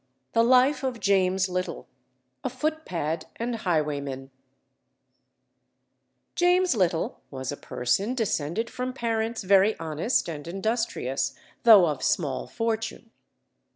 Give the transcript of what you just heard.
The Life of JAMES LITTLE, a Footpad and Highwayman James Little was a person descended from parents very honest and industrious, though of small fortune.